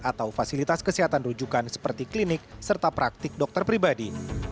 atau fasilitas kesehatan rujukan seperti klinik serta praktik dokter pribadi